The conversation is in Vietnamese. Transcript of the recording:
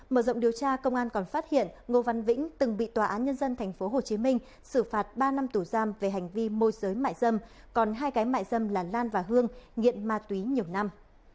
mở rộng điều tra công an còn phát hiện ngô văn vĩnh từng bị tòa án nhân dân tp hcm xử phạt ba năm tù giam về hành vi môi giới mại dâm còn hai cái mại dâm là lan và hương nghiện ma túy nhiều năm